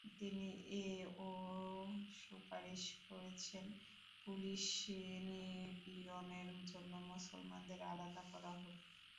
তিনি এ–ও সুপারিশ করেছেন, পুলিশি নিপীড়নের জন্য মুসলমানদের আলাদা করা হোক।